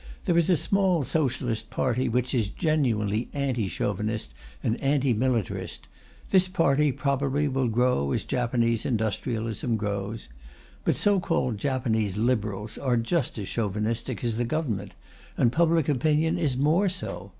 There is a small Socialist party which is genuinely anti Chauvinist and anti militarist; this party, probably, will grow as Japanese industrialism grows. But so called Japanese Liberals are just as Chauvinistic as the Government, and public opinion is more so.